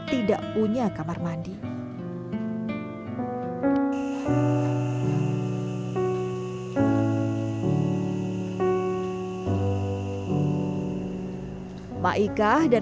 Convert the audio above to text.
tidak punya kamar mandi maika dan